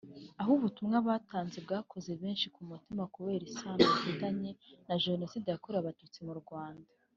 aho ubutumwa batanze bwakoze benshi ku mutima kubera isano bufitanye na Jenoside yakorewe Abatutsi mu Rwanda